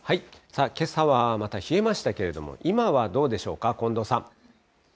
けさはまた冷えましたけれども、今はどうでしょうか、近藤さん。